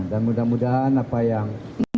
dan mudah mudahan apa yang